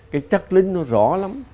cái chất lính nó rõ lắm